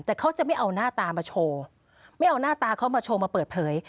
แต่เขาจะไม่เอาหน้าตามาโชว์ไม่เอาหน้าตาเขามาโชว์มาเปิดเผย